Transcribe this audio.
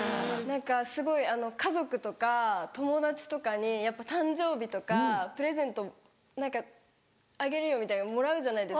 何かすごい家族とか友達とかにやっぱ誕生日とか「プレゼントあげるよ」みたいなもらうじゃないですか。